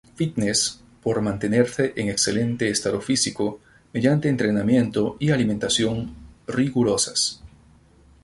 Fitness" por mantenerse en excelente estado físico mediante entrenamiento y alimentación rigurosas.